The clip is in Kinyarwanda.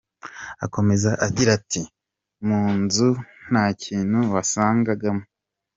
Akomeza agira ati "Mu nzu nta kintu wasangagamo.